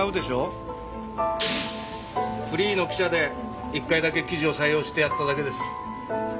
フリーの記者で一回だけ記事を採用してやっただけです。